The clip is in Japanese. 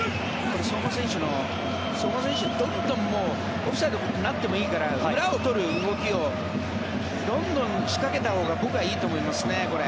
相馬選手、どんどんオフサイドになってもいいから裏を取る動きをどんどん仕掛けたほうが僕はいいと思いますね、これ。